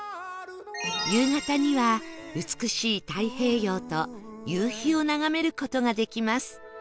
夕方には美しい太平洋と夕日を眺める事ができます